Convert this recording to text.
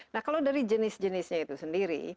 nah kalau dari jenis jenisnya itu sendiri